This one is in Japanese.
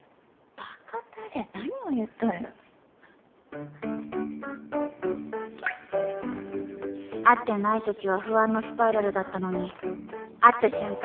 バカたれ何を言っとる会ってないときは不安のスパイラルだったのに会った瞬間